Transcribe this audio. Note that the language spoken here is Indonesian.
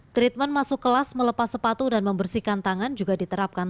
treatment masuk kelas melepas sepatu dan membersihkan tangan juga diterapkan